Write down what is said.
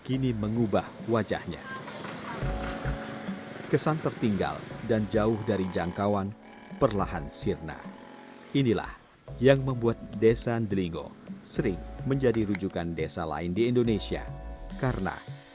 untuk menjadi pemandu yang bisa diandalkan